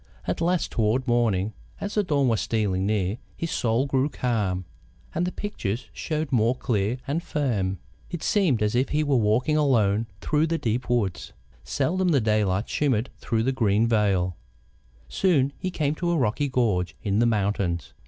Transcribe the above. At last, toward morning, as the dawn was stealing near, his soul grew calm, and the pictures showed more clear and firm. It seemed as if he were walking alone through the deep woods. Seldom the daylight shimmered through the green veil. Soon he came to a rocky gorge in the mountains.